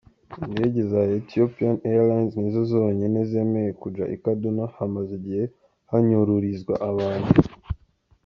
Indege za "Ethiopian Airlines" nizo zonyene zemeye kuja i Kaduna, hamaze igihe hanyururizwa abantu.